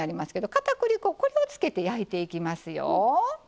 かたくり粉これをつけて焼いていきますよ。